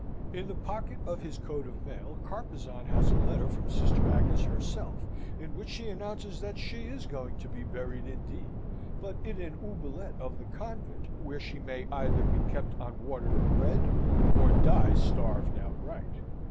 In the pocket of his coat of mail Carpezan has a letter from Sister Agnes herself, in which she announces that she is going to be buried indeed, but in an oubliette of the convent, where she may either be kept on water and bread, or die starved outright.